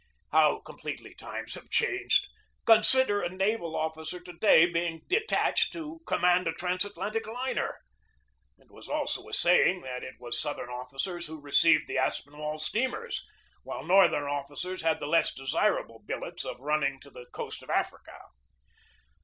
How completely times have changed! Consider a naval officer of to day being detached to command a transatlantic liner! It was also a saying that it was Southern officers who re ceived the Aspinwall steamers, while Northern offi cers had the less desirable billets of running to the coast of Africa.